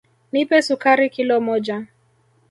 Nipe sukari kilo moja.